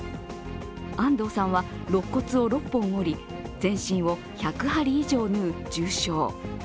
安藤さんはろっ骨を６本折り全身を１００針以上縫う重傷。